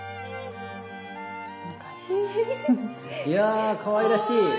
いやかわいらしい。